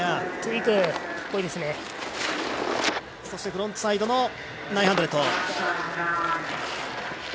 そしてフロントサイドの９００。